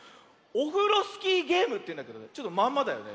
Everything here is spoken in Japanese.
「オフロスキーゲーム」というんだけどまんまだよね。